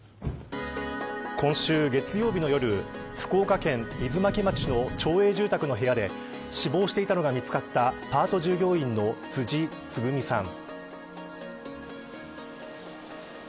今週、月曜日の夜福岡県水巻町の町営住宅の部屋で死亡していたのが見つかったパート従業員の辻つぐみさん。